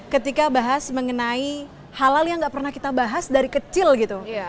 ketika bahas mengenai halal yang gak pernah kita bahas dari kecil gitu